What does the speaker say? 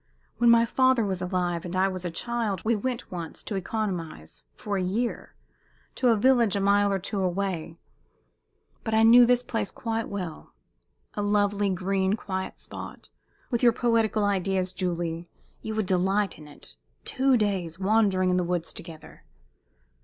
When my father was alive, and I was a child, we went once, to economize, for a year, to a village a mile or two away. But I knew this place quite well. A lovely, green, quiet spot! With your poetical ideas, Julie, you would delight in it. Two days wandering in the woods together!